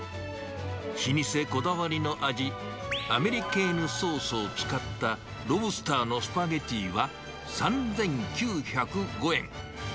老舗こだわりの味、アメリケーヌソースを使った、ロブスターのスパゲティは３９０５円。